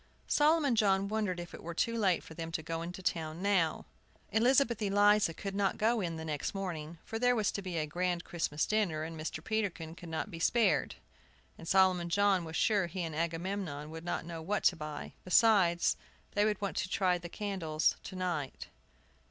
Solomon John wondered if it were too late for them to go into town now. Elizabeth Eliza could not go in the next morning, for there was to be a grand Christmas dinner, and Mr. Peterkin could not be spared, and Solomon John was sure he and Agamemnon would not know what to buy. Besides, they would want to try the candles to night.